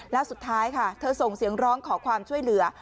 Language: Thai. แล้วสุดท้ายค่ะเธอส่งเสียงร้องขอความช่วยเหลือ